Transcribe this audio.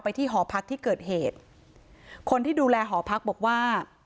ที่หอพักที่เกิดเหตุคนที่ดูแลหอพักบอกว่า